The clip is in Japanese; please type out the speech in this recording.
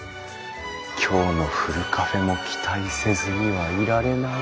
今日のふるカフェも期待せずにはいられない。